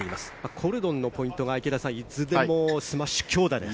コルドンのポイントが池田さん、いずれもスマッシュの強打です。